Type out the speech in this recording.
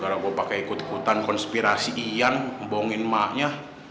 karena gue pake ikut ikutan konspirasi iyan membohongin emaknya